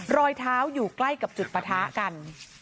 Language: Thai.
รอยเท้าอยู่ใกล้กับจุดปะทะกัน